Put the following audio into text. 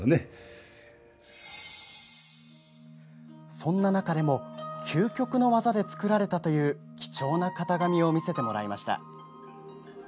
そんな中でも究極の技で作られたという貴重な型紙を見せてもらいました。